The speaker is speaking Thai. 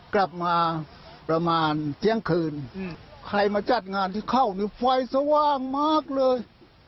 กลับมาประมาณเที่ยงคืนใครมาจัดงานที่เข้านี่ไฟสว่างมากเลย